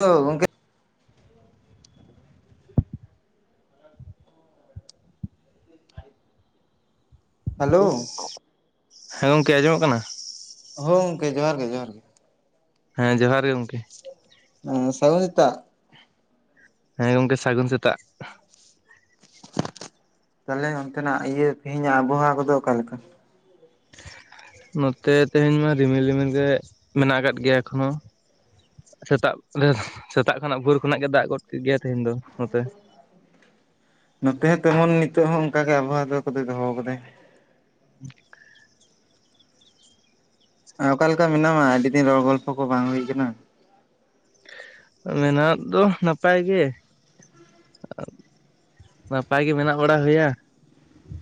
ᱜᱚᱝᱠᱮ hello hello ᱦᱮᱸ ᱜᱚᱢᱠᱮ ᱟᱸᱡᱚᱢᱚᱜ ᱠᱟᱱᱟ ᱦᱳ ᱜᱚᱝᱠᱮ ᱡᱚᱦᱟᱨ ᱜᱮ ᱡᱚᱦᱟᱨ ᱜᱮ ᱦᱮᱸ ᱡᱚᱦᱟᱨ ᱜᱮ ᱜᱚᱢᱠᱮ ᱦᱮᱸ ᱥᱟᱜᱚᱨᱤᱛᱟ ᱦᱮᱸ ᱜᱚᱢᱠᱮ ᱥᱟᱹᱜᱩᱱ ᱥᱮᱛᱟᱜ ᱛᱟᱞᱦᱮ ᱚᱱᱛᱮᱱᱟᱜ ᱤᱭᱟᱹ ᱛᱮᱦᱤᱧᱟᱜ ᱟᱵᱚᱦᱟᱣᱟ ᱠᱚᱫᱚ ᱚᱠᱟᱞᱮᱠᱟ ᱱᱚᱛᱮ ᱛᱮᱦᱮᱧ ᱢᱟ ᱨᱤᱢᱤᱞ ᱨᱤᱢᱤᱞ ᱜᱮ ᱢᱮᱱᱟᱜ ᱟᱠᱟᱫ ᱜᱮᱭᱟ ᱮᱠᱷᱚᱱᱚ ᱥᱮᱛᱟᱜ ᱥᱮᱛᱟᱜ ᱠᱷᱚᱱᱟᱜ ᱵᱷᱳᱨ ᱠᱷᱚᱱᱟᱜ ᱜᱮ ᱫᱟᱜ ᱜᱚᱫ ᱠᱮᱫ ᱜᱮᱭᱟ ᱛᱮᱦᱮᱧ ᱫᱚ ᱱᱚᱛᱮ ᱱᱚᱛᱮ ᱦᱚᱸ ᱛᱮᱢᱚᱱ ᱱᱤᱛᱚᱜ ᱦᱚᱸ ᱚᱱᱠᱟᱜ ᱜᱮ ᱟᱵᱚᱦᱟᱣᱟ ᱠᱚᱫᱚᱭ ᱫᱚᱦᱚ ᱟᱠᱟᱫᱟᱭ [unintelligible] ᱚᱠᱟ ᱞᱮᱠᱟ ᱢᱮᱱᱟᱢᱟ ᱟᱹᱰᱤ ᱫᱤᱱ ᱨᱚᱲ ᱜᱚᱞᱯᱷᱚ ᱠᱚ ᱵᱟᱝ ᱦᱩᱭ ᱟᱠᱟᱱᱟ ᱢᱮᱱᱟᱜ ᱫᱚ ᱱᱟᱯᱟᱭ ᱜᱮ ᱱᱟᱯᱟᱭ ᱜᱮ ᱢᱮᱱᱟᱜ ᱦᱚᱲᱟᱜ ᱦᱩᱭᱟ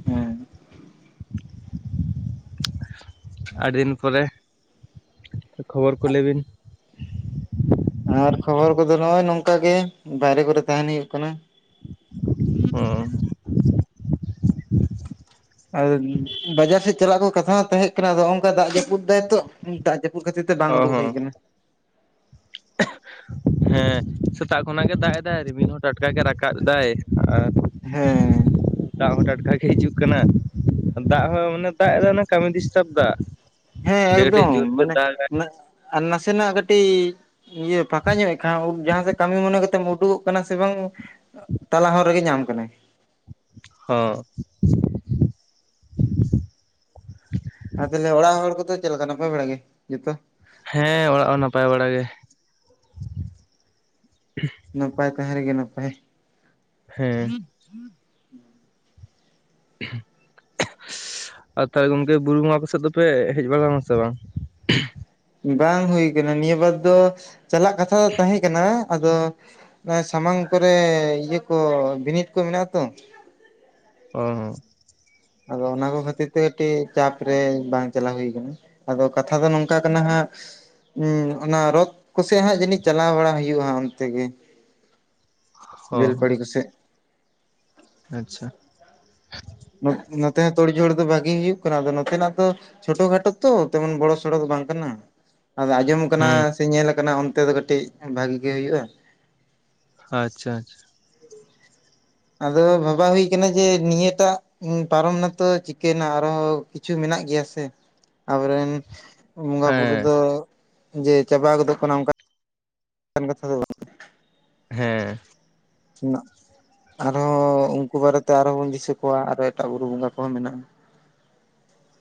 ᱦᱮᱸ ᱟᱹᱰᱤ ᱫᱤᱱ ᱯᱚᱨᱮ ᱠᱷᱚᱵᱚᱨ ᱠᱚ ᱞᱟᱹᱭ ᱵᱤᱱ ᱟᱨ ᱠᱷᱚᱵᱚᱨ ᱠᱚᱫᱚ ᱱᱚᱜ-ᱚᱭ ᱱᱚᱝᱠᱟ ᱜᱮ ᱵᱟᱭᱨᱮ ᱠᱚᱨᱮ ᱛᱟᱦᱮᱱ ᱦᱩᱭᱩᱜ ᱠᱟᱱᱟ ᱦᱩᱸ ᱟᱨ ᱵᱟᱡᱟᱨ ᱥᱮᱫ ᱪᱟᱞᱟᱜ ᱠᱚ ᱠᱟᱛᱷᱟ ᱦᱚᱸ ᱛᱟᱦᱮᱸ ᱠᱟᱱᱟ ᱟᱫᱚ ᱫᱟᱜ ᱡᱟᱹᱯᱩᱫ ᱫᱟᱭ ᱛᱚ ᱫᱟᱜ ᱡᱟᱹᱯᱩᱫ ᱠᱷᱟᱹᱛᱤᱨ ᱛᱮ ᱵᱟᱝ ᱚ ᱩᱰᱩᱠ ᱦᱩᱭ ᱦᱚᱸ ᱠᱟᱱᱟ ᱦᱮᱸ ᱥᱮᱛᱟᱜ ᱠᱷᱚᱱᱟᱜ ᱜᱮ ᱫᱟᱜ ᱮᱫᱟᱭ ᱨᱤᱢᱤᱞ ᱦᱚᱸ ᱴᱟᱴᱠᱟ ᱜᱮ ᱨᱟᱠᱟᱵ ᱫᱟᱭ ᱟᱨ ᱦᱮᱸ ᱫᱟᱜ ᱦᱚᱸ ᱴᱟᱴᱠᱟ ᱜᱮ ᱦᱤᱡᱩᱜ ᱠᱟᱱᱟ ᱫᱟᱜ ᱦᱚᱸ ᱢᱟᱱᱮ ᱫᱟᱜ ᱮ ᱫᱚ ᱚᱱᱟ ᱠᱟᱹᱢᱤ ᱰᱤᱥᱴᱟᱵ ᱫᱟᱜ ᱦᱮᱸ ᱮᱠᱫᱚᱢ ᱢᱟᱱᱮ ᱟᱨ ᱱᱟᱥᱮᱱᱟᱜ ᱠᱟᱹᱴᱤᱡ ᱤᱭᱟᱹ ᱯᱷᱟᱠᱟ ᱧᱚᱜ ᱮ ᱠᱷᱟᱱ ᱡᱟᱦᱟᱸᱥᱮᱫ ᱠᱟᱹᱢᱤ ᱢᱚᱱᱮ ᱠᱟᱛᱮᱢ ᱩᱰᱩᱠᱚᱜ ᱠᱟᱱᱟ ᱥᱮ ᱵᱟᱝ ᱛᱟᱞᱟ ᱦᱚᱨ ᱨᱮᱜᱮ ᱧᱟᱢ ᱠᱟᱢᱟᱭ ᱦᱚᱸ ᱟ ᱛᱟᱦᱚᱞᱮ ᱚᱲᱟᱜ ᱦᱚᱲ ᱠᱚᱫᱚ ᱪᱮᱫ ᱞᱮᱠᱟ ᱱᱟᱯᱟᱭ ᱵᱟᱲᱟ ᱜᱮ ᱡᱚᱛᱚ ᱦᱮᱸ ᱚᱲᱟᱜ ᱦᱚᱸ ᱱᱟᱯᱟᱭ ᱵᱟᱲᱟ ᱜᱮ ᱱᱟᱯᱟᱭ ᱛᱟᱦᱮᱸ ᱨᱮᱜᱮ ᱱᱟᱯᱟᱭ ᱦᱮᱸ ᱟᱨ ᱛᱟᱦᱚᱞᱮ ᱜᱚᱝᱠᱮ ᱵᱩᱨᱩ ᱜᱚᱸᱜᱟ ᱟᱯᱮ ᱥᱮᱫ ᱫᱚᱯᱮ ᱦᱮᱡ ᱵᱟᱲᱟ ᱞᱮᱱᱟ ᱥᱮ ᱵᱟᱝ ᱵᱟᱝ ᱦᱩᱭ ᱠᱟᱱᱟ ᱱᱤᱭᱟᱹ ᱵᱟᱨ ᱫᱚ ᱪᱟᱞᱟᱜ ᱠᱟᱛᱷᱟ ᱫᱚ ᱛᱟᱦᱮᱸ ᱠᱟᱱᱟ ᱟᱫᱚ ᱚᱱᱟ ᱥᱟᱢᱟᱝ ᱠᱚᱨᱮ ᱤᱭᱟᱹ ᱠᱚ ᱵᱤᱱᱤᱰ ᱠᱚ ᱢᱮᱱᱟᱜᱼᱟ ᱛᱚ ᱦᱚ ᱟᱫᱚ ᱚᱱᱟ ᱠᱚ ᱠᱷᱟᱹᱛᱤᱨ ᱛᱮ ᱠᱟᱹᱴᱤᱡ ᱪᱟᱯ ᱨᱮ ᱵᱟᱝ ᱪᱟᱞᱟᱣ ᱦᱩᱭ ᱠᱟᱱᱟ ᱟᱫᱚ ᱠᱟᱛᱷᱟ ᱫᱚ ᱱᱚᱝᱠᱟ ᱠᱟᱱᱟ ᱦᱟᱸᱜ ᱦᱚᱸ ᱚᱱᱟ ᱨᱚᱛ ᱠᱚᱥᱮ ᱦᱟᱸᱜ ᱡᱟᱹᱱᱤᱡ ᱪᱟᱞᱟᱣ ᱵᱟᱲᱟ ᱦᱩᱭᱩᱜ-ᱟ ᱚᱱᱛᱮ ᱜᱮ ᱦᱚᱸ ᱵᱮᱞᱯᱟᱦᱟᱲᱤ ᱠᱚᱥᱮᱫ ᱟᱪᱪᱷᱟ ᱱᱚᱛᱮ ᱦᱚᱸ ᱛᱳᱲ ᱡᱷᱳᱲ ᱫᱚ ᱵᱷᱟᱜᱤ ᱦᱩᱭᱩᱜ ᱠᱟᱱᱟ ᱟᱫᱚ ᱱᱚᱛᱮᱱᱟᱜ ᱫᱚ ᱪᱷᱳᱴᱳ ᱠᱷᱟᱴᱳ ᱛᱚ ᱛᱮᱢᱚᱱ ᱵᱚᱲᱚ ᱥᱚᱲᱚ ᱫᱚ ᱵᱟᱝ ᱠᱟᱱᱟ ᱟᱫᱚ ᱟᱸᱡᱚᱢ ᱟᱠᱟᱱᱟ ᱦᱩᱸ ᱥᱮ ᱧᱮᱞ ᱠᱟᱱᱟ ᱚᱱᱛᱮ ᱫᱚ ᱠᱟᱹᱴᱤᱡ ᱵᱷᱟᱜᱤ ᱜᱮ ᱦᱩᱭᱩᱜᱼᱟ ᱟᱪᱪᱷᱟ ᱟᱪᱪᱷᱟ ᱟᱫᱚ ᱵᱟᱷᱟᱵᱟ ᱦᱩᱭ ᱠᱟᱱᱟ ᱡᱮ ᱱᱤᱭᱟᱹᱴᱟᱜ ᱯᱟᱨᱚᱢ ᱱᱟᱛᱚ ᱪᱤᱠᱟᱹᱭᱱᱟ ᱟᱨᱦᱚᱸ ᱠᱤᱪᱷᱩ ᱢᱮᱱᱟᱜ ᱜᱮᱭᱟ ᱥᱮ ᱟᱵᱚᱨᱮᱱ ᱵᱚᱸᱜᱟ ᱵᱩᱨᱩ ᱦᱮᱸ ᱫᱚ ᱡᱮ ᱪᱟᱵᱟ ᱜᱚᱫᱚᱜ ᱠᱟᱱᱟ ᱚᱱᱠᱟ ᱠᱟᱛᱷᱟ ᱫᱚ ᱵᱟᱝ ᱦᱮᱸ ᱟᱨᱦᱚᱸ ᱩᱱᱠᱩ ᱵᱟᱨᱮᱛᱮ ᱟᱨᱦᱚᱸ ᱵᱚᱱ ᱫᱤᱥᱟᱹ ᱠᱚᱣᱟ ᱟᱨᱦᱚᱸ ᱮᱴᱟᱜ ᱵᱩᱨᱩ ᱵᱚᱸᱜᱟ ᱠᱚᱦᱚᱸ ᱢᱮᱱᱟᱜᱼᱟ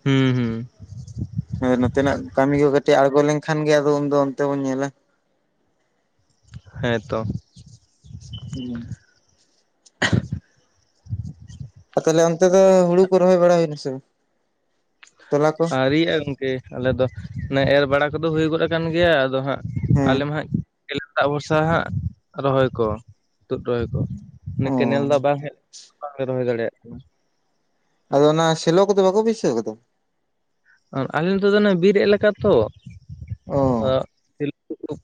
ᱦᱮᱸ ᱦᱮᱸ ᱦᱮᱸ ᱟᱫᱚ ᱱᱚᱛᱮᱱᱟᱜ ᱠᱟᱹᱢᱤ ᱠᱚ ᱠᱟᱹᱴᱤᱡ ᱟᱬᱜᱚ ᱞᱮᱱᱠᱷᱟᱱ ᱜᱮ ᱟᱫᱚ ᱩᱱᱫᱚ ᱚᱱᱛᱮ ᱵᱚᱱ ᱧᱮᱞᱟ ᱦᱮᱸᱛᱚ ᱦᱮᱸ ᱟᱨ ᱛᱟᱦᱚᱞᱮ ᱚᱱᱛᱮ ᱫᱚ ᱦᱩᱲᱩ ᱨᱚᱦᱚᱭ ᱵᱟᱲᱟ ᱦᱩᱭᱱᱟ ᱥᱮ ᱛᱚᱞᱟ ᱠᱚ ᱟᱹᱨᱤᱭᱟᱜᱼᱟ ᱜᱚᱝᱠᱮ ᱟᱞᱮ ᱫᱚ ᱚᱱᱮ ᱮᱨ ᱵᱟᱲᱟ ᱠᱚᱫᱚ ᱦᱩᱭ ᱜᱚᱫ ᱟᱠᱟᱱ ᱜᱮᱭᱟ ᱟᱫᱚ ᱦᱟᱸᱜ ᱦᱮᱸ ᱟᱞᱮ ᱢᱟ ᱦᱟᱸᱜ ᱞᱛᱟᱜ ᱵᱷᱚᱨᱥᱟ ᱦᱟᱸᱜ ᱨᱚᱦᱚᱭ ᱠᱚ ᱛᱩᱫ ᱨᱚᱦᱚᱭ ᱠᱚ ᱚᱱᱮ ᱚ ᱠᱮᱱᱮᱞ ᱫᱟᱜ ᱵᱟᱝ ᱦᱮᱡ ᱵᱟᱞᱮ ᱨᱚᱦᱚᱭ ᱫᱟᱲᱮᱭᱟᱜ ᱠᱟᱱᱟ ᱟᱫᱚ ᱚᱱᱟ ᱥᱮᱞᱚ ᱠᱚᱫᱚ ᱵᱟᱠᱚ ᱵᱟᱹᱭᱥᱟᱹᱣ ᱠᱟᱫᱟ ᱟᱨ ᱟᱞᱮ ᱱᱚᱛᱮ ᱫᱚ ᱵᱤᱨ ᱮᱞᱟᱠᱟ ᱛᱚ ᱚ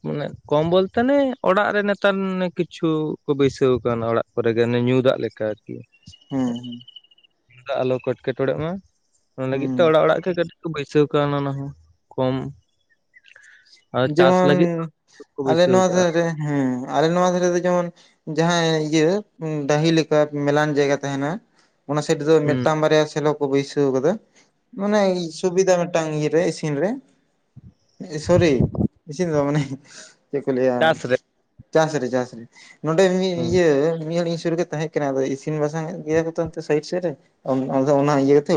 ᱢᱟᱱᱮ ᱠᱚᱞ ᱵᱚᱞᱛᱮ ᱱᱮ ᱚᱲᱟᱜ ᱨᱮ ᱱᱮᱛᱟᱨ ᱠᱤᱪᱷᱩ ᱠᱚ ᱵᱟᱹᱭᱥᱟᱹᱣ ᱠᱟᱱᱟ ᱚᱲᱟᱜ ᱠᱚᱨᱮ ᱜᱮ ᱟᱱᱮ ᱧᱩ ᱫᱟᱜ ᱞᱮᱠᱟ ᱟᱨᱠᱤ ᱦᱮᱸ ᱦᱮᱸ ᱧᱩ ᱫᱟᱜ ᱟᱞᱚ ᱠᱚ ᱮᱴᱠᱮᱴᱚᱬᱮᱜ ᱢᱟ ᱚᱱᱟ ᱦᱮᱸ ᱞᱟᱹᱜᱤᱫ ᱛᱮ ᱚᱲᱟᱜ ᱚᱲᱟᱜ ᱜᱮ ᱠᱟᱴᱤᱡ ᱵᱟᱹᱭᱥᱟᱹᱣ ᱠᱟᱣ ᱱᱟ ᱚᱱᱟ ᱦᱚ ᱠᱚᱢ ᱟᱨ ᱪᱟᱥ ᱡᱮᱢᱚᱱ ᱞᱟᱹᱜᱤᱫ ᱠᱚ ᱟᱞᱮ ᱵᱟᱹᱭᱥᱟᱹᱣ ᱱᱚᱣᱟ ᱠᱟᱜᱼᱟ ᱫᱷᱟᱨᱮ ᱨᱮ ᱦᱮᱸ ᱟᱞᱮ ᱱᱚᱣᱟ ᱫᱷᱟᱨᱮ ᱫᱚ ᱡᱮᱢᱚᱱ ᱡᱟᱦᱟᱸ ᱤᱭᱟᱹ ᱰᱟᱹᱦᱤ ᱞᱮᱠᱟ ᱢᱮᱞᱟᱱ ᱡᱟᱭᱜᱟ ᱛᱟᱦᱮᱱᱟ ᱚᱱᱟ ᱥᱮᱪ ᱨᱮ ᱫᱚ ᱦᱩᱸ ᱢᱤᱫᱴᱟᱝ ᱵᱟᱨᱭᱟ ᱥᱮᱞᱚ ᱠᱚ ᱠᱚ ᱵᱟᱹᱭᱥᱟᱹᱣ ᱠᱟᱫᱟ ᱢᱟᱱᱮ ᱥᱩᱵᱤᱫᱷᱟ ᱢᱤᱫᱴᱟᱝ ᱤᱭᱟᱹ ᱨᱮ ᱤᱥᱤᱱ ᱨᱮ ᱥᱚᱨᱤ ᱤᱥᱤᱱ ᱨᱮᱫᱚ ᱵᱟᱝ ᱢᱟᱱᱮ ᱪᱮᱫ ᱠᱚᱞ ᱞᱟᱹᱭᱼᱟ ᱪᱟᱥ ᱨᱮ ᱪᱟᱥ ᱨᱮ ᱪᱟᱥ ᱨᱮ ᱱᱚᱰᱮ ᱦᱩᱸ ᱤᱭᱟᱹ ᱢᱤᱫ ᱦᱚᱲ ᱤᱧ ᱥᱩᱨ ᱨᱮ ᱜᱮ ᱛᱟᱦᱮᱸ ᱠᱟᱱᱟ ᱤᱥᱤᱱ ᱵᱟᱥᱟᱝ ᱮᱫ ᱜᱮᱭᱟ ᱚᱱᱛᱮ ᱚᱲᱟ ᱥᱟᱭᱤᱰ ᱥᱮᱪ ᱨᱮ ᱟᱫᱚ ᱚᱱᱟ ᱤᱭᱟᱹ ᱠᱟᱛᱮ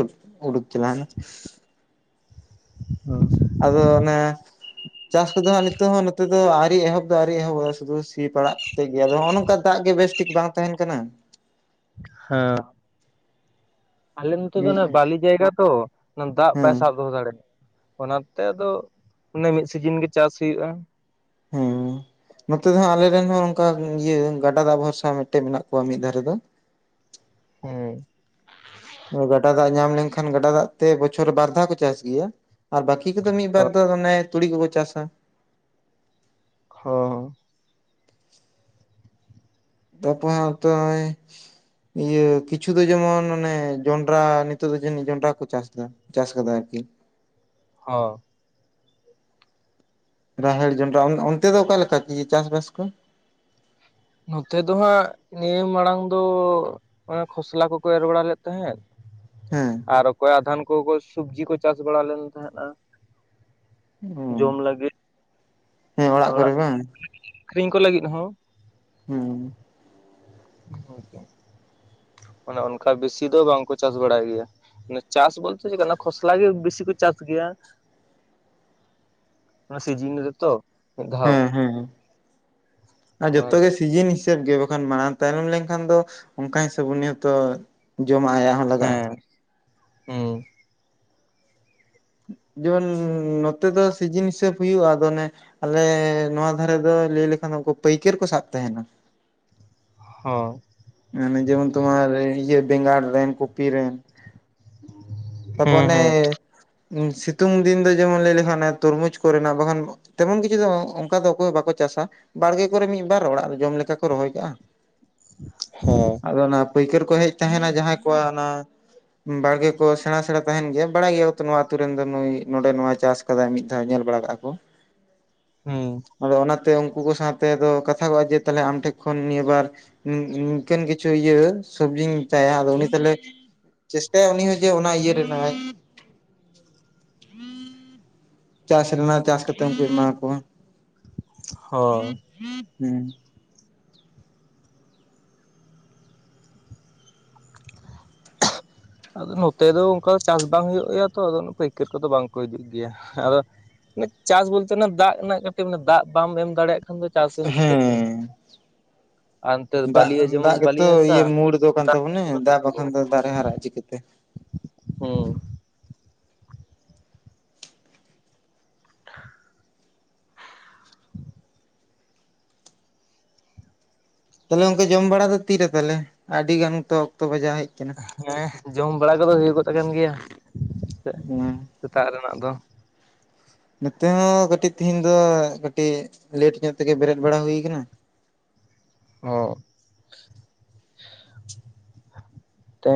ᱩᱰᱩᱠ ᱪᱟᱞᱟᱱᱟ ᱦᱸ ᱟᱫᱚ ᱚᱱᱮ ᱪᱟᱥ ᱠᱚᱫᱚ ᱦᱟᱸᱜ ᱱᱤᱛᱚᱜ ᱦᱚᱸ ᱱᱚᱛᱮ ᱫᱚ ᱟᱹᱣᱨᱤ ᱮᱦᱚᱵ ᱫᱚ ᱟᱹᱣᱨᱤ ᱮᱦᱚᱵᱚᱜ-ᱟ ᱥᱩᱫᱷᱩ ᱥᱤ ᱯᱟᱲᱟᱜ ᱴᱷᱤᱠ ᱜᱮᱭᱟ ᱟᱫᱚ ᱱᱚᱜᱼᱚ ᱱᱚᱝᱠᱟ ᱫᱟᱜ ᱜᱮ ᱵᱮᱥᱴᱷᱤᱠ ᱵᱟᱝ ᱛᱟᱦᱮᱱ ᱠᱟᱱᱟ ᱦᱮᱸ ᱟᱞᱮ ᱱᱚᱛᱮ ᱫᱚ ᱢᱤᱫ ᱵᱟᱞᱤ ᱡᱟᱭᱜᱟ ᱛᱚ ᱚᱱᱟ ᱫᱟᱜ ᱦᱮᱸ ᱵᱟᱭ ᱥᱟᱵ ᱫᱚᱦᱚ ᱫᱟᱲᱮᱭᱟᱜ-ᱟ ᱚᱱᱟᱛᱮ ᱟᱫᱚ ᱚᱱᱮ ᱢᱤᱫ ᱥᱤᱡᱤᱱ ᱜᱮ ᱪᱟᱥ ᱦᱩᱭᱩᱜᱼᱟ ᱦᱮᱸ ᱱᱚᱛᱮ ᱫᱚ ᱦᱟᱸᱜ ᱟᱞᱮᱨᱮᱱ ᱦᱚᱸ ᱚᱱᱠᱟ ᱤᱭᱟᱹ ᱜᱟᱰᱟ ᱫᱟᱜ ᱵᱷᱚᱨᱥᱟ ᱢᱤᱫᱴᱮᱱ ᱢᱮᱱᱟᱜ ᱠᱚᱣᱟ ᱢᱤᱫ ᱫᱷᱟᱨᱮ ᱫᱚ ᱦᱮᱸ ᱜᱟᱰᱟ ᱫᱟᱜ ᱧᱟᱢ ᱞᱮᱱᱠᱷᱟᱱ ᱜᱟᱰᱟ ᱫᱟᱜ ᱛᱮ ᱵᱚᱪᱷᱚᱨ ᱵᱟᱨ ᱫᱷᱟᱣ ᱠᱚ ᱪᱟᱥ ᱜᱮᱭᱟ ᱟᱨ ᱵᱟᱠᱤ ᱠᱚᱫᱚ ᱢᱤᱫ ᱵᱟᱨ ᱫᱚ ᱚᱱᱮ ᱛᱩᱲᱤ ᱠᱚᱠᱚ ᱪᱟᱥᱟ ᱦᱚᱸ ᱫᱚᱯᱷᱟ ᱦᱚᱛᱚᱭ ᱤᱭᱟᱹ ᱠᱤᱪᱷᱩ ᱫᱚ ᱡᱮᱢᱚᱱ ᱚᱱᱮ ᱡᱚᱱᱰᱨᱟ ᱱᱤᱛᱚᱜ ᱫᱚ ᱡᱟᱹᱱᱤᱡ ᱡᱚᱱᱰᱨᱟ ᱠᱚ ᱪᱟᱥ ᱮᱫᱟ ᱪᱟᱥ ᱠᱟᱫᱟ ᱟᱨᱠᱤ ᱦᱚᱸ ᱨᱟᱦᱮᱲ ᱡᱚᱱᱰᱨᱟ ᱚᱱᱛᱮ ᱫᱚ ᱚᱠᱟ ᱞᱮᱠᱟ ᱪᱟᱥᱵᱟᱥ ᱠᱚ ᱱᱚᱛᱮ ᱫᱚ ᱦᱟᱸᱜ ᱱᱤᱭᱟᱹ ᱢᱟᱲᱟᱝ ᱫᱚ ᱚᱱᱟ ᱠᱷᱚᱥᱞᱟ ᱠᱚᱠᱚ ᱮᱨ ᱵᱟᱲᱟ ᱞᱮᱫ ᱛᱟᱦᱮᱸᱫ ᱦᱮᱸ ᱟᱨ ᱚᱠᱚᱭ ᱟᱫᱷᱮᱱ ᱠᱚ ᱥᱚᱵᱡᱤ ᱠᱚ ᱪᱟᱥ ᱵᱟᱲᱟ ᱞᱮᱱ ᱛᱟᱦᱮᱸᱫᱟ ᱚ ᱡᱚᱢ ᱞᱟᱹᱜᱤᱫ ᱦᱮᱸ ᱚᱲᱟᱜ ᱠᱚᱨᱮ ᱵᱟᱝ ᱟᱠᱷᱨᱤᱧ ᱠᱚ ᱞᱟᱹᱜᱤᱫ ᱦᱚᱸ ᱦᱩᱸ ᱦᱮᱸ ᱜᱳᱢᱠᱮ ᱚᱱᱮ ᱚᱱᱠᱟ ᱵᱮᱥᱤ ᱫᱚ ᱵᱟᱝᱠᱚ ᱪᱟᱥ ᱵᱟᱲᱟᱭ ᱜᱮᱭᱟ ᱪᱟᱥ ᱵᱚᱞᱛᱮ ᱪᱮᱫ ᱠᱟᱱᱟ ᱠᱷᱚᱥᱞᱟ ᱜᱮ ᱵᱮᱥᱤ ᱠᱚ ᱪᱟᱥ ᱜᱮᱭᱟ [unintelligible] ᱚᱱᱟ ᱥᱤᱡᱤᱱ ᱨᱮ ᱛᱚ ᱦᱮᱸ ᱦᱮᱸ ᱟᱨ ᱡᱚᱛᱚ ᱜᱮ ᱚᱱᱟᱛᱮ ᱥᱤᱡᱤᱱ ᱦᱤᱥᱟᱹᱵ ᱜᱮ ᱵᱟᱠᱷᱟᱱ ᱢᱟᱲᱟᱝ ᱛᱟᱭᱱᱚᱢ ᱞᱮᱱᱠᱷᱟᱱ ᱫᱚ ᱚᱱᱠᱟ ᱦᱤᱥᱟᱹᱵ ᱩᱱᱤ ᱦᱚᱸ ᱛᱚ ᱡᱚᱢᱟᱜ ᱟᱭᱟᱜ ᱦᱚᱸ ᱞᱟᱜᱟᱜᱼᱟ ᱦᱮᱸ ᱦᱩᱸ ᱡᱮᱢᱚᱱ ᱱᱚᱛᱮ ᱫᱚ ᱥᱤᱡᱤᱱ ᱦᱤᱥᱟᱹᱵ ᱦᱩᱭᱩᱜᱼᱟ ᱟᱫᱚ ᱚᱱᱮ ᱟᱞᱮ ᱱᱚᱣᱟ ᱫᱷᱟᱨᱮ ᱫᱚ ᱞᱟᱹᱭ ᱞᱮᱠᱷᱟᱱ ᱩᱱᱠᱩ ᱯᱟᱹᱭᱠᱟᱹᱨ ᱠᱚ ᱥᱟᱵ ᱛᱟᱦᱮᱸᱱᱟ ᱦᱚ ᱢᱟᱱᱮ ᱡᱮᱢᱚᱱ ᱛᱳᱢᱟᱨ ᱤᱭᱟᱹ ᱵᱮᱸᱜᱟᱲ ᱨᱮᱱ ᱠᱚᱯᱤ ᱨᱮᱱ [unintelligible] ᱦᱩᱸ ᱚᱱᱮ ᱦᱩᱸ ᱥᱤᱛᱩᱝ ᱫᱤᱱ ᱫᱚ ᱡᱮᱢᱚᱱ ᱞᱟᱹᱭ ᱞᱮᱠᱷᱟᱱ ᱛᱩᱨᱢᱩᱡᱽ ᱠᱚ ᱨᱮᱱᱟᱜ ᱵᱟᱜᱟᱱ ᱼᱼ ᱛᱮᱢᱚᱱ ᱠᱤᱪᱷᱩ ᱫᱚ ᱚᱱᱠᱟ ᱫᱚ ᱚᱠᱚᱭ ᱦᱚᱸ ᱵᱟᱠᱚ ᱪᱟᱥᱟ ᱾ ᱵᱟᱲᱜᱮ ᱠᱚᱨᱮ ᱢᱤᱫ ᱵᱟᱨ, ᱚᱲᱟᱜ ᱨᱮ ᱡᱚᱢ ᱞᱮᱠᱟ ᱠᱚ ᱨᱚᱦᱚᱭ ᱠᱟᱜᱼᱟ᱾ ᱦᱮᱸ ᱦᱩᱸ ᱟᱫᱚ ᱚᱱᱟ ᱯᱟᱹᱭᱠᱟᱹᱨ ᱠᱚ ᱦᱮᱡ ᱛᱟᱦᱮᱱᱟ ᱾ ᱡᱟᱦᱟᱸᱭ ᱠᱚᱣᱟᱜ ᱚᱱᱟ ᱵᱟᱲᱜᱮ ᱠᱚ ᱥᱮᱬᱟ ᱥᱮᱬᱟ ᱛᱟᱦᱮᱱ ᱜᱮᱭᱟ, ᱵᱟᱲᱟᱭ ᱜᱮᱭᱟ ᱠᱚ ᱛᱚ ᱱᱚᱣᱟ ᱟᱛᱩ ᱨᱮᱱ ᱫᱚ ᱱᱩᱭ, ᱱᱚᱸᱰᱮ ᱱᱚᱣᱟ ᱪᱟᱥ-ᱟ ᱾ ᱠᱟᱫᱟᱭ ᱢᱤᱫ ᱫᱷᱟᱣ ᱧᱮᱞ ᱵᱟᱲᱟ ᱠᱟᱜᱼᱟ ᱠᱚ᱾ ᱦᱩᱸ ᱟᱫᱚ ᱚᱱᱟᱛᱮ ᱩᱱᱠᱩ ᱠᱚ ᱥᱟᱶᱛᱮ ᱟᱫᱚ ᱠᱟᱛᱷᱟ ᱠᱚᱜᱼᱟ ᱡᱮ, ᱛᱟᱦᱞᱮ ᱟᱢ ᱴᱷᱮᱡ ᱠᱷᱚᱱ ᱱᱤᱭᱟᱹ ᱵᱟᱨ ᱱᱤᱝᱠᱟᱹᱱ ᱠᱤᱪᱷᱩ ᱤᱭᱟᱹ ᱥᱚᱵᱡᱤᱧ ᱪᱟᱭᱟ ᱾ᱟᱫᱚ ᱩᱱᱤ ᱛᱟᱞᱮ ᱪᱮᱥᱴᱟᱭᱟ ᱩᱱᱤ ᱦᱚᱸ ᱡᱮ ᱚᱱᱟ ᱤᱭᱟᱹ ᱨᱮᱱᱟᱜ ᱪᱟᱥ ᱨᱮᱱᱟᱜ ᱪᱟᱥ ᱠᱟᱛᱮ ᱩᱱᱠᱩ ᱮᱢᱟ ᱠᱚᱣᱟ᱾ ᱦᱚᱸ ᱦᱩᱸ ᱟᱫᱚ ᱱᱚᱛᱮ ᱫᱚ ᱚᱱᱠᱟ ᱪᱟᱥ ᱵᱟᱝ ᱦᱩᱭᱩᱜ ᱜᱮᱭᱟ ᱛᱚ ᱾ ᱟᱫᱚ ᱯᱟᱹᱭᱠᱟᱹᱨ ᱠᱚᱫᱚ ᱵᱟᱝᱠᱚ ᱦᱤᱡᱩᱜ ᱜᱮᱭᱟ ᱾ᱟᱫᱚ ᱪᱟᱥ ᱵᱚᱞᱛᱮ ᱚᱱᱟ ᱫᱟᱜ ᱨᱮᱱᱟᱜ ᱠᱟᱹᱴᱤᱡ ᱢᱟᱱᱮ ᱫᱟᱜ ᱵᱟᱢ ᱮᱢ ᱫᱟᱲᱮᱭᱟᱜ ᱠᱷᱟᱱ ᱫᱚ ᱪᱟᱥ ᱤᱧ ᱪᱤᱠᱟᱹᱛᱮ? ᱦᱮᱸ ᱟᱨ ᱱᱚᱛᱮ ᱫᱟᱜ ᱵᱟᱹᱞᱤᱭᱟ ᱡᱮᱢᱚᱱ ᱫᱟᱜ ᱵᱟᱹᱞᱤ ᱜᱮᱛᱚ ᱦᱟᱥᱟ ᱤᱭᱟᱹ ᱢᱩᱲ ᱫᱚ ᱠᱟᱱ ᱫᱟᱜ ᱛᱟᱵᱚᱱᱟ ᱫᱟᱜ ᱵᱟᱠᱷᱟᱱ ᱫᱚ ᱫᱟᱨᱮ ᱦᱟᱨᱟᱜ-ᱟ ᱪᱤᱠᱟ. ᱛᱮ ᱦᱩᱸ ᱛᱟᱦᱮᱞᱮ ᱚᱱᱠᱟ ᱡᱚᱢ ᱵᱟᱲᱟ ᱫᱚ ᱛᱤᱨᱮ ᱛᱟᱞᱮ? ᱟᱹᱰᱤ ᱜᱟᱱ ᱛᱚ ᱚᱠᱛᱚ ᱵᱟᱡᱟᱣ ᱦᱮᱡ ᱠᱟᱱᱟ᱾ ᱦᱮᱸ ᱡᱚᱢ ᱵᱟᱲᱟ ᱠᱚᱫᱚ ᱦᱩᱭ ᱜᱚᱫ ᱟᱠᱟᱱ ᱜᱮᱭᱟ ᱦᱮᱸ ᱥᱮᱛᱟᱜ ᱨᱮᱱᱟᱜ ᱫᱚ᱾ ᱱᱚᱛᱮ ᱦᱚᱸ ᱠᱟᱹᱴᱤᱡ ᱛᱮᱦᱮᱧ ᱫᱚ ᱠᱟᱹᱴᱤᱡ ᱞᱮᱴ ᱧᱚᱜ ᱛᱮᱜᱮ ᱵᱮᱨᱮᱫ ᱵᱟᱲᱟ ᱦᱩᱭ ᱠᱟᱱᱟ᱾ ᱚ ᱛᱚ,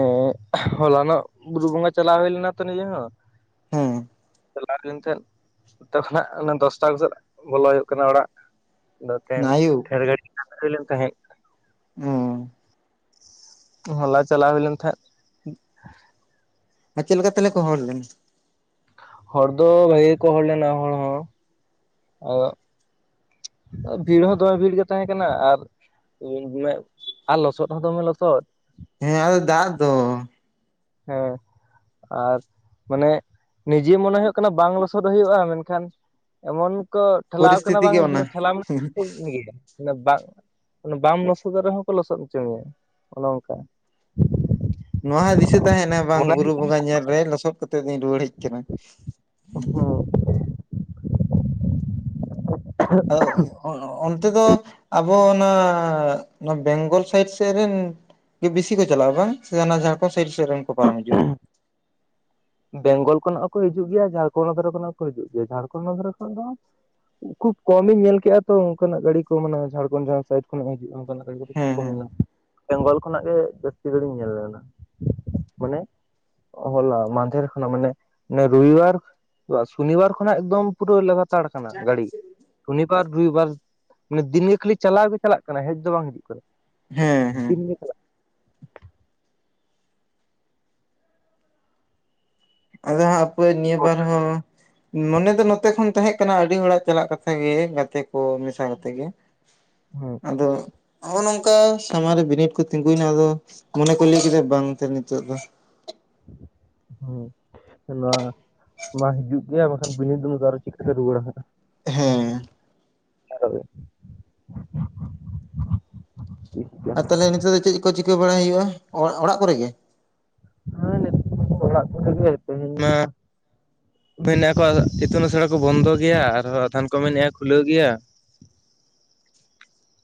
ᱦᱚᱞᱟᱱᱚᱜ ᱵᱩᱨᱩ ᱵᱚᱸᱜᱟ ᱪᱟᱞᱟᱣ ᱦᱩᱭ ᱞᱮᱱᱟ ᱛᱚ ᱱᱤᱡᱮ ᱦᱚᱸ᱾ ᱦᱮᱸ ᱪᱟᱞᱟᱣ ᱦᱩᱭ ᱛᱟᱦᱮᱸ, ᱚᱱᱛᱮ ᱠᱷᱚᱱᱟᱜ ᱫᱚᱥᱴᱟ ᱠᱚ ᱥᱮᱫ ᱵᱚᱞᱚ ᱦᱩᱭᱩᱜ ᱠᱟᱱᱟ ᱚᱲᱟᱜ᱾ ᱫᱚ ᱛᱮᱱ ᱟᱭᱩᱵ ᱫᱷᱮᱨ ᱜᱟᱹᱲᱤ ᱛᱟᱦᱮᱸ ᱦᱤᱭᱞᱮᱱ ᱛᱟᱦᱮᱸ᱾ ᱦᱩᱸ ᱦᱚᱞᱟ ᱪᱟᱞᱟᱣ ᱦᱩᱭ ᱞᱮᱱ ᱛᱟᱦᱮᱸᱫ ᱟᱨ ᱪᱮᱫ ᱞᱮᱠᱟ ᱛᱟᱞᱮ ᱠᱚ ᱦᱚᱲ ᱞᱮᱱᱟ? ᱦᱚᱲ ᱫᱚ ᱵᱷᱟᱜᱮ ᱜᱮᱠᱚ ᱦᱚᱲ ᱞᱮᱱᱟ ᱦᱚᱲ ᱦᱚᱸ᱾ ᱟᱫᱚ ᱟᱨ ᱵᱷᱤᱲ ᱦᱚᱸ ᱫᱚᱢᱮ ᱵᱷᱤᱲ ᱜᱮ ᱛᱟᱦᱮᱸ ᱠᱟᱱᱟ ᱟᱨ [unintelligible] ᱟᱨ ᱞᱚᱥᱚᱫ ᱦᱚᱸ ᱫᱚᱢᱮ ᱞᱚᱥᱚᱫ᱾ ᱦᱮᱸ ᱟᱫᱚ ᱫᱟᱜ ᱫᱚ᱾ ᱦᱮᱸ ᱟᱨ ᱢᱟᱱᱮ ᱱᱤᱡᱮ ᱢᱚᱱᱮ ᱦᱳᱭᱳᱜ ᱠᱟᱱᱟ ᱵᱟᱝ ᱞᱚᱥᱚᱫ ᱦᱳᱭᱳᱜᱼᱟ ᱢᱮᱱᱠᱷᱟᱱ ᱮᱢᱚᱱ ᱠᱚ ᱴᱷᱮᱞᱟᱣ ᱠᱟᱱᱟ ᱯᱚᱨᱤᱥᱛᱷᱤᱛᱤ ᱵᱟᱝ ᱜᱮ ᱚᱱᱟ ᱴᱷᱮᱞᱟᱣ [unintelligible] ᱵᱟᱝ ᱵᱟᱢ ᱞᱚᱥᱚᱫᱚᱜ ᱨᱮᱦᱚᱸ ᱠᱚ ᱞᱚᱥᱚᱫ ᱦᱚᱪᱚ ᱢᱮᱭᱟ ᱚᱱᱮ ᱚᱱᱠᱟ ᱱᱚᱣᱟ ᱦᱚᱸ ᱫᱤᱥᱟᱹ ᱛᱟᱦᱮᱱᱟ ᱵᱟᱝ ᱢᱚᱱᱮ ᱵᱩᱨᱩ ᱵᱚᱸᱜᱟ ᱧᱮᱞ ᱨᱮ ᱞᱚᱥᱚᱫ ᱠᱟᱛᱮ ᱫᱩᱧ ᱨᱩᱣᱟᱹᱲ ᱦᱮᱡ ᱠᱟᱱᱟ᱾ ᱦᱩᱸ [inaudible] ᱚᱱᱛᱮ ᱫᱚ ᱟᱵᱚ ᱚᱱᱟ ᱵᱮᱝᱜᱚᱞ ᱥᱟᱭᱤᱰ ᱥᱮᱫ ᱨᱤᱱ ᱵᱤᱥᱤ ᱠᱚ ᱪᱟᱞᱟᱜᱼᱟ ᱵᱟᱝ ᱥᱮ ᱚᱱᱟ ᱡᱷᱟᱲᱠᱷᱰ ᱥᱟᱭᱤᱰ ᱨᱮᱱ ᱠᱚ ᱯᱟᱨᱚᱢ ᱦᱤᱡᱩᱼᱟ ᱵᱮᱝᱜᱚᱞ ᱠᱷᱚᱱᱟᱜ ᱦᱚᱸ ᱠᱚ ᱦᱤᱡᱩᱜ ᱜᱮᱭᱟ ᱡᱷᱟᱲᱠᱷᱚᱸᱰ ᱠᱚᱨᱮ ᱠᱷᱚᱱᱟᱜ ᱦᱚᱸ ᱠᱚ ᱦᱤᱡᱩᱜ ᱜᱮᱭᱟ ᱡᱷᱟᱲᱠᱷᱚᱸᱰ [unintelligible] ᱠᱷᱩᱵ ᱠᱚᱢ ᱤᱧ ᱧᱮᱞ ᱠᱮᱫᱼᱟ ᱛᱚ, ᱚᱱᱠᱟᱱᱟᱜ ᱜᱟᱹᱲᱤ ᱠᱚ ᱢᱟᱱᱮ ᱡᱷᱟᱲᱠᱷᱚᱸᱱᱰ ᱡᱟᱦᱟᱸ ᱥᱟᱭᱤᱰ ᱠᱷᱚᱱᱟᱜ ᱡᱟᱦᱟᱸ ᱦᱤᱡᱩᱜᱼᱟ, ᱚᱱ ᱦᱮᱸ ᱦᱮᱸ ᱠᱟᱱᱟᱜ᱾ [unintelligible] ᱵᱮᱝᱜᱚᱞ ᱠᱷᱚᱱᱟᱜ ᱜᱮ ᱡᱟᱹᱥᱛᱤ ᱜᱷᱟᱹᱲᱤᱧ ᱧᱮᱞ ᱞᱮᱱᱟ᱾ ᱢᱟᱱᱮ ᱦᱚᱞᱟ ᱢᱟᱫᱷᱮᱨ ᱠᱷᱚᱱᱟᱜ ᱢᱟᱱᱮ ᱱᱤᱭᱟᱹ ᱨᱚᱵᱤᱵᱟᱨ, ᱥᱚᱱᱤᱵᱟᱨ ᱠᱷᱚᱱᱟᱜ ᱮᱠᱫᱚᱢ ᱯᱩᱨᱟᱹ ᱞᱟᱜᱟᱛᱟᱲ ᱠᱟᱱᱟ ᱜᱟᱹᱲᱤ ᱥᱚᱱᱤᱵᱟᱨ, ᱨᱚᱵᱤᱵᱟᱨ ᱢᱮ ᱫᱤᱱᱜᱮ ᱠᱷᱟᱹᱞᱤ ᱪᱟᱞᱟᱣ ᱜᱮ ᱪᱟᱞᱟᱜ ᱠᱟᱱᱟ᱾ ᱦᱮᱡ ᱫᱚ ᱵᱟᱝ ᱦᱤᱡᱩᱜ ᱠᱟᱱᱟ᱾ ᱦᱮᱸ ᱦᱮᱸ ᱫᱤᱱ ᱜᱮ ᱪᱟᱞᱟᱜ ᱟᱫᱚ ᱦᱟᱸᱜ ᱟᱹᱯᱟᱹᱭ ᱱᱤᱭᱟᱹ ᱠᱟᱱᱟ᱾ ᱵᱟᱨ ᱦᱚᱸ ᱢᱚᱱᱮ ᱫᱚ ᱱᱚᱛᱮ ᱠᱷᱚᱱ ᱛᱟᱦᱮᱸᱜ ᱠᱟᱱᱟ ᱟᱹᱰᱤ ᱦᱚᱲᱟᱜ ᱪᱟᱞᱟᱜ ᱠᱟᱛᱷᱟ ᱜᱮ ᱜᱟᱛᱮ ᱠᱚ ᱢᱮᱥᱟ ᱠᱟᱛᱮ ᱜᱮ ᱦᱩᱸ ᱟᱫᱚ ᱱᱚᱜᱼᱚ ᱱᱚᱝᱠᱟ ᱥᱟᱢᱟᱝ ᱨᱮ ᱵᱤᱱᱤᱰ ᱠᱚ ᱛᱤᱸᱜᱩᱭᱱᱟ ᱟᱫᱚ ᱢᱚᱱᱮ ᱠᱚ ᱞᱟᱹᱭ ᱠᱮᱫᱟ ᱵᱟᱝᱛᱮ ᱱᱤᱛᱚᱜ ᱫᱚ ᱦᱩᱸ ᱱᱚᱣᱟ ᱢᱟ ᱦᱤᱡᱩᱜ ᱜᱮᱭᱟ ᱵᱟᱠᱷᱟᱱ ᱵᱤᱱᱤᱰ ᱫᱚ ᱱᱚᱝᱠᱟ ᱨᱮ ᱪᱤᱠᱟᱹᱛᱮ ᱨᱩᱣᱲᱟ ᱱᱷᱟᱜ ᱦᱮᱸ [inaudible] ᱟᱨ ᱛᱟᱦᱚᱞᱮ ᱱᱤᱛᱚᱜ ᱫᱚ ᱪᱮᱫ ᱠᱚ ᱪᱤᱠᱟᱹ ᱵᱟᱲᱟᱭ ᱦᱩᱭᱩᱜᱼᱟ‌ ᱚᱲᱟᱜ ᱠᱚᱨᱮ ᱜᱮ ᱦᱮᱸ ᱱᱤᱛᱚᱜ ᱚᱲᱟᱜ ᱠᱚᱨᱮ ᱜᱮ ᱛᱮᱦᱮᱧ ᱢᱟ ᱢᱮᱱᱮᱫ ᱟᱠᱚ ᱤᱛᱩᱱ ᱟᱥᱲᱟ ᱠᱚ ᱵᱚᱱᱫᱚ ᱜᱮᱭᱟ ᱟᱨᱦᱚᱸ ᱟᱛᱷᱟᱱ ᱠᱚ ᱢᱮᱱᱮᱫᱼᱟ ᱠᱷᱩᱞᱟᱹᱣ ᱜᱮᱭᱟ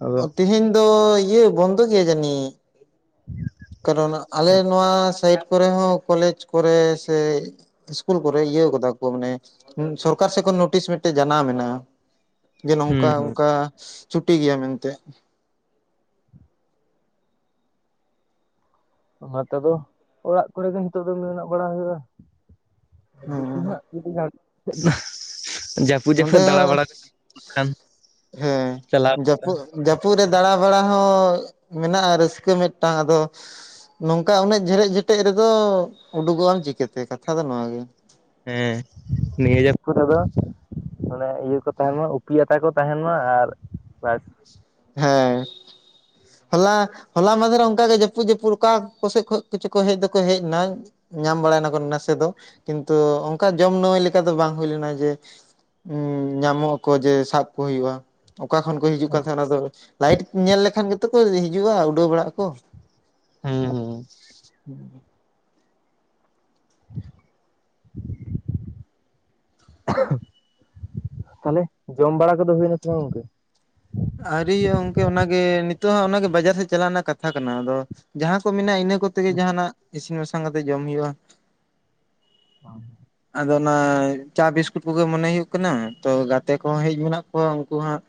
ᱟᱫᱚ ᱚ ᱛᱮᱦᱮᱧ ᱫᱚ ᱤᱭᱟᱹ ᱵᱚᱱᱫᱚ ᱜᱮᱭᱟ ᱡᱟᱹᱱᱤᱡ ᱦᱸ ᱠᱟᱨᱚᱱ ᱟᱞᱮ ᱱᱚᱣᱟ ᱥᱟᱭᱤᱰ ᱠᱚᱨᱮ ᱦᱚᱸ ᱠᱚᱞᱮᱡᱽ ᱠᱚᱨᱮ ᱥᱮ ᱤᱥᱠᱩᱞ ᱠᱚᱨᱮ ᱤᱭᱟᱹ ᱠᱟᱫᱟ ᱠᱚ ᱢᱟᱱᱮ ᱥᱚᱨᱠᱟᱨ ᱥᱮᱮᱫ ᱠᱷᱚᱱ ᱱᱳᱴᱤᱥ ᱢᱤᱫᱴᱮᱡ ᱡᱟᱱᱟᱢ ᱢᱮᱱᱟᱜ-ᱟ ᱡᱮ ᱦᱩᱸ ᱱᱚᱝᱠᱟ ᱦᱩᱸ ᱚᱱᱠᱟ ᱪᱷᱩᱴᱤ ᱜᱮᱭᱟ ᱢᱮᱱᱛᱮ ᱚᱱᱟ ᱛᱮᱫᱚ ᱚᱲᱟᱜ ᱠᱚᱨᱮ ᱜᱮ ᱱᱤᱛᱚᱜ ᱫᱚ ᱢᱮᱱᱟᱜ ᱵᱟᱲᱟ ᱦᱩᱭᱩᱜ-ᱟ ᱦᱮᱸ ᱫᱤᱠᱤ ᱦᱟᱸᱜ ᱡᱩᱫᱤ ᱜᱟᱱᱚᱜ ᱡᱟᱹᱯᱩᱫ ᱱᱚᱸᱰᱮ ᱡᱚᱠᱷᱚᱡ ᱫᱟᱬᱟ ᱵᱟᱟᱲᱟ [inaudible] ᱠᱷᱟᱱ ᱦᱮᱸ ᱪᱟᱞᱟᱣ ᱦᱩᱭᱩᱜ-ᱟ ᱡᱟᱹᱯᱩᱫ ᱡᱟᱹᱯᱩᱫ ᱨᱮ ᱫᱟᱬᱟ ᱵᱟᱲᱟ ᱦᱚᱸ ᱢᱮᱱᱟᱜ-ᱟ ᱨᱟᱹᱥᱠᱟᱹ ᱢᱤᱫᱴᱟᱝ ᱟᱫᱚ ᱱᱚᱝᱠᱟ ᱩᱱᱟᱹᱜ ᱡᱷᱮᱨᱮᱫ ᱡᱮᱴᱮᱡ ᱨᱮᱫᱚ ᱩᱰᱩᱠᱚᱜ ᱟᱢ ᱪᱤᱠᱟᱹᱛᱮ ᱠᱟᱛᱷᱟ ᱫᱚ ᱱᱚᱣᱟ ᱜᱮ ᱦᱮᱸ ᱱᱤᱭᱟᱹ ᱡᱟᱹᱯᱩᱫ ᱨᱮᱫᱚ ᱚᱱᱮ ᱤᱭᱟᱹ ᱠᱚ ᱛᱟᱦᱮᱸᱱ ᱢᱟ ᱩᱯᱤ ᱟᱛᱟ ᱠᱚ ᱛᱟᱦᱮᱸᱱ ᱢᱟ ᱟᱨ ᱵᱟᱼᱼ ᱦᱮᱸ ᱦᱚᱞᱟ ᱦᱚᱞᱟ ᱢᱟᱫᱷᱮᱨᱮ ᱚᱱᱠᱟᱜ ᱜᱮ ᱡᱟᱹᱯᱩᱫ ᱡᱟᱹᱯᱩᱫ ᱚᱠᱟ ᱠᱚᱥᱮᱫ ᱠᱷᱚᱱ ᱠᱚᱪᱩ ᱠᱚ ᱦᱮᱡ ᱫᱚᱠᱚ ᱦᱮᱡ ᱮᱱᱟ ᱧᱟᱢ ᱵᱟᱲᱟᱭᱮᱱᱟᱠᱚ ᱱᱟᱥᱮ ᱫᱚ ᱠᱤᱱᱛᱩ ᱚᱱᱠᱟ ᱡᱚᱢ ᱱᱟᱹᱣᱟᱹᱭ ᱞᱮᱠᱟ ᱫᱚ ᱵᱟᱝ ᱦᱩᱭ ᱞᱮᱱᱟ ᱡᱮ ᱧᱟᱢᱚᱜ ᱟᱠᱚ ᱡᱮ ᱥᱟᱵ ᱠᱚ ᱦᱩᱭᱩᱜᱼᱟ ᱚᱠᱟ ᱠᱷᱚᱱ ᱠᱚ ᱦᱤᱡᱩᱜ ᱦᱮᱸ ᱠᱟᱱ ᱛᱟᱦᱮᱸᱱᱟ ᱚᱱᱟ ᱫᱚ ᱞᱟᱭᱤᱴ ᱧᱮᱞ ᱞᱮᱠᱷᱟᱱ ᱜᱮᱛᱚ ᱠᱚ ᱦᱤᱡᱩᱜᱼᱟ ᱩᱰᱟᱹᱣ ᱵᱟᱲᱟᱜ ᱟᱠᱚ [inaudible] ᱦᱮᱸ ᱛᱟᱦᱚᱞᱮ ᱡᱚᱢ ᱵᱟᱲᱟ ᱠᱚᱫᱚ ᱦᱩᱭᱱᱟ ᱥᱮ ᱵᱟᱝ ᱜᱚᱝᱠᱮ ᱟᱹᱣᱨᱤ ᱜᱚᱝᱠᱮ ᱚᱱᱟᱜᱮ ᱱᱤᱛᱚᱜ ᱦᱚ ᱚᱱᱟᱜᱮ ᱵᱟᱡᱟᱨ ᱥᱮᱫ ᱪᱟᱞᱟᱜ ᱨᱮᱱᱟᱜ ᱠᱟᱛᱷᱟ ᱠᱟᱱᱟ ᱟᱫᱚ ᱡᱟᱦᱟᱸ ᱠᱚ ᱢᱮᱱᱟᱜ-ᱟ ᱤᱱᱟᱹ ᱠᱚᱛᱮ ᱜᱮ ᱡᱟᱦᱟᱱᱟᱜ ᱤᱥᱤᱱ ᱵᱟᱥᱟᱝ ᱠᱟᱛᱮᱜ ᱡᱚᱢ ᱦᱩᱭᱩᱜ-ᱟ ᱦ ᱟᱫᱚ ᱚᱱᱟ ᱪᱟ ᱵᱤᱥᱠᱩᱴ ᱠᱚᱜᱮ ᱢᱚᱱᱮ ᱦᱩᱭᱩᱜ ᱠᱟᱱᱟ ᱛᱚ ᱜᱟᱛᱮ ᱠᱚᱦᱚᱸ ᱦᱮᱡ ᱢᱮᱱᱟᱜ ᱠᱚᱣᱟ ᱩᱱᱠᱩ ᱦᱟᱸᱜ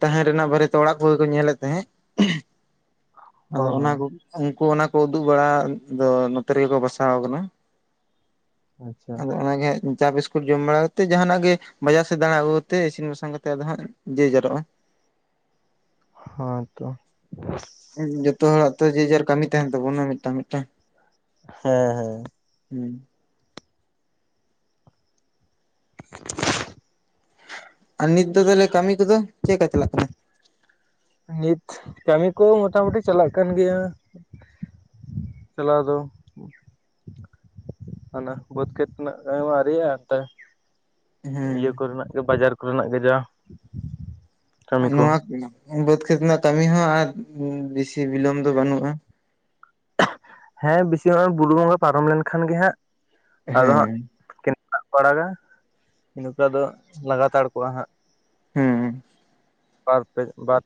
ᱛᱟᱦᱮᱸ ᱨᱮᱱᱟᱜ ᱵᱟᱨᱮᱛᱮ ᱚᱲᱟᱜ ᱠᱚᱜᱮ ᱠᱚ ᱧᱮᱞᱮᱫ ᱛᱟᱦᱮᱸᱜ ᱚ ᱟᱫᱚ ᱚᱱᱟ ᱦᱚᱸ ᱠᱚ ᱩᱱᱠᱩ ᱚᱱᱟ ᱠᱚ ᱩᱫᱩᱜ ᱵᱟᱲᱟ ᱫᱚ ᱱᱚᱛᱮ ᱨᱮᱜᱮ ᱠᱚ ᱵᱟᱥᱟᱣ ᱟᱠᱟᱱᱟ ᱟᱪᱪᱷᱟ ᱟᱫᱚ ᱚᱱᱟᱜᱮ ᱦᱟᱸᱜ ᱪᱟ ᱵᱤᱥᱠᱩᱴ ᱡᱚᱢ ᱵᱟᱲᱟ ᱠᱟᱛᱮ ᱡᱟᱦᱟᱱᱟᱜ ᱜᱮ ᱵᱟᱡᱟᱨ ᱥᱮᱫ ᱫᱟᱬᱟ ᱟᱹᱜᱩ ᱠᱟᱛᱮ ᱤᱥᱤᱱ ᱵᱟᱥᱟᱝ ᱠᱟᱛᱮᱜ ᱟᱫᱚ ᱦᱟᱜ ᱡᱟᱨᱚᱜ-ᱟ ᱦᱚ ᱛᱚ ᱡᱚᱛᱚ ᱦᱚᱲᱟᱜ ᱛᱚ ᱡᱮᱡᱟᱨ ᱠᱟᱹᱢᱤ ᱛᱟᱸᱦᱮᱱ ᱛᱟᱵᱚᱱᱟ ᱢᱤᱫᱴᱟᱝ ᱢᱤᱫᱴᱟᱝ ᱦᱮᱸ ᱦᱮᱸ ᱦᱩᱸ ᱟᱨ ᱱᱤᱛ ᱫᱚ ᱛᱟᱦᱚᱞᱮ ᱠᱟᱹᱢᱤ ᱠᱚᱫᱚ ᱪᱮᱫ ᱞᱮᱠᱟ ᱪᱟᱞᱟᱜ ᱠᱟᱱᱟ ᱱᱤᱛ ᱠᱟᱹᱢᱤ ᱠᱚ ᱢᱚᱴᱟ ᱢᱩᱩᱴᱤ ᱪᱟᱞᱟᱜ ᱠᱟᱱ ᱜᱮᱭᱟ ᱪᱟᱞᱟᱣ ᱫᱚ ᱦᱟᱱᱟ ᱵᱟ. ᱫᱽ ᱠᱷᱮᱛ ᱠᱷᱚᱱᱟᱜ [inaudible] ᱟᱹᱶᱨᱤ ᱟᱜ-ᱟ ᱦᱮᱸ ᱤᱭᱟ‌ᱹ ᱠᱚᱨᱮᱱᱟᱜ ᱜᱮ ᱵᱟᱡᱟᱨ ᱠᱚᱨᱮᱱᱟᱜ ᱜᱮ ᱡᱟ ᱠᱟᱹᱢᱤ ᱠᱚ ᱱᱚᱣᱟ ᱵᱟᱹᱫᱽ ᱠᱷᱮᱛ ᱨᱮᱱᱟᱜ ᱠᱟᱹᱢᱤ ᱦᱚᱸ ᱟᱨ ᱵᱮᱥᱤ ᱵᱤᱞᱚᱢ ᱫᱚ ᱵᱟᱹᱱᱩᱜ-ᱟ ᱦᱮᱸ ᱵᱮᱥᱤ ᱵᱩᱨᱩ ᱜᱚᱸᱜᱟ ᱯᱟᱨᱚᱢ ᱞᱮᱱᱠᱷᱟᱱ ᱜᱮ ᱦᱟᱸᱜ ᱟᱫᱚ ᱦᱮᱸ ᱦᱟᱸᱜ [inaudible] ᱯᱟᱲᱟᱜᱟ ᱤᱱᱟᱹ ᱯᱚᱨᱮ ᱫᱚ ᱞᱟᱜᱟᱛᱟᱨ ᱠᱚᱜ-ᱟ ᱦᱟᱸᱜ ᱦᱩᱸ ᱵᱟᱨ ᱯᱮ ᱵᱟᱨ